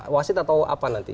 wasit atau apa nanti